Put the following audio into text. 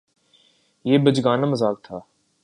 یہ بچگانہ مذاق تھا